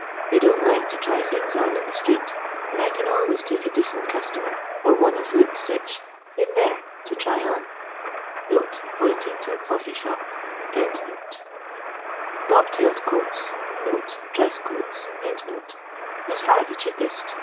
They don't like to try things on in the street, and I c;in always take a decent customer, or one as looks sich, in there, to try on (pointing to a coii^e shop). Bob tailed coats (dres» coats) is far the cheapest.